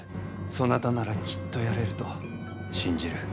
そなたならきっとやれると信じる。